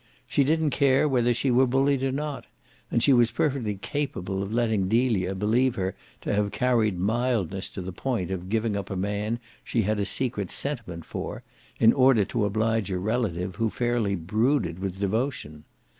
She didn't care whether she were bullied or not, and she was perfectly capable of letting Delia believe her to have carried mildness to the point of giving up a man she had a secret sentiment for in order to oblige a relative who fairly brooded with devotion.